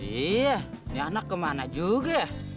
iya niana kemana juga